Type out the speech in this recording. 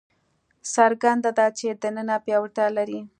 څرګنده ده چې دننه پیاوړتیا لري.